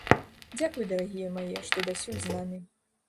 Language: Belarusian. Дзякуй, дарагія мае, што дасюль з намі!